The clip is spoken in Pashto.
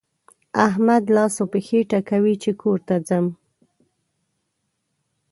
احمد لاس و پښې ټکوي چې کور ته ځم.